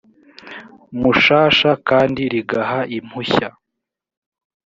mushasha kandi rigaha impushya